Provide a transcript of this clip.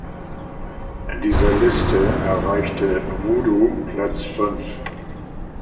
In dieser Liste erreichte "Voodoo" Platz fünf.